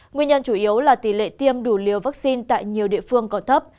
nguyên nhân chủ yếu là tỷ lệ tiêm đủ liều vaccine tại nhiều địa phương còn thấp